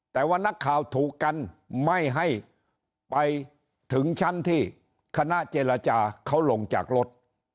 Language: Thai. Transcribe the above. แต่ว่านักข่าวถูกกันไม่ให้ไปถึงชั้นที่คณะเจรจาเขาลงจากรถ